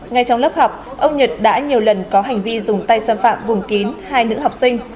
ngay trong lớp học ông nhật đã nhiều lần có hành vi dùng tay xâm phạm vùng kín hai nữ học sinh